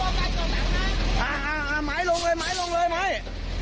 อ่าอ่าไหมลงเลยไหมลงเลยไหม